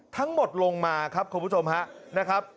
ทั้งหมดลงมาครับคุณผู้ชมฮะนะครับ